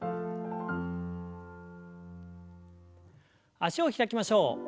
脚を開きましょう。